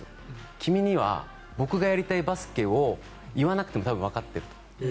君は僕がやりたいバスケを言わなくてもわかっていると。